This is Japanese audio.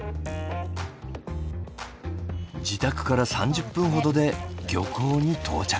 自宅から３０分ほどで漁港に到着。